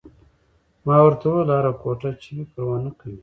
ما ورته وویل: هره کوټه چې وي، پروا نه کوي.